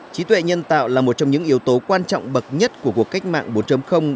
trí tuệ nhân tạo là một trong những yếu tố quan trọng bậc nhất của cuộc cách mạng bốn